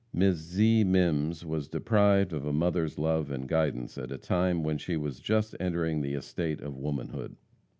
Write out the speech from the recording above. Miss Zee Mimms was deprived of a mother's love and guidance at a time when she was just entering the estate of womanhood.